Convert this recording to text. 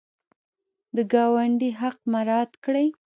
د ګاونډي حق مراعات کړئ